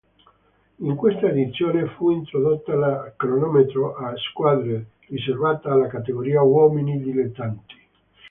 In questa edizione fu introdotta la cronometro a squadre, riservata alla categoria uomini dilettanti.